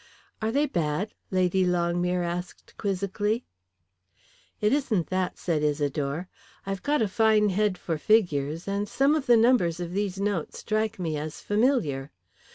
"Are they bad?" Lady Longmere asked quizzically? "It isn't that," said Isidore. "I've got a fine head for figures, and some of the numbers of these notes strike me as familiar.